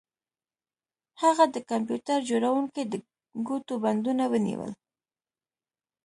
هغه د کمپیوټر جوړونکي د ګوتو بندونه ونیول